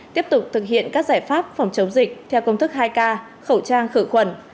tiếp tục thực hiện các giải pháp phòng chống dịch theo công thức hai k khẩu trang khử khuẩn